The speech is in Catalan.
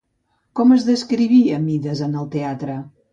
Com es descrivia Mides en el teatre?